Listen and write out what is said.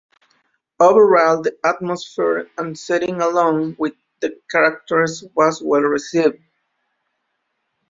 Overall the atmosphere and setting along with the characters was well received.